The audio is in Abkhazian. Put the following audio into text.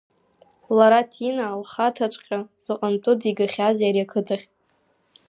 Лара Ҭина лхаҭаҵәҟьа заҟантәы дигахьази ари ақыҭахь.